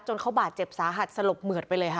เขาบาดเจ็บสาหัสสลบเหมือดไปเลยค่ะ